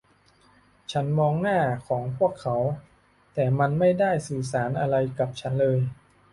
ฉันมองหน้าของพวกเขา แต่มันไม่ได้สื่อสารอะไรกับฉันเลย